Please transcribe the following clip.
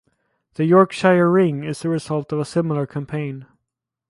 The Yorkshire Ring is the result of a similar campaign.